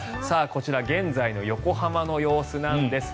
こちら現在の横浜の様子なんです。